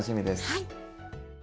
はい。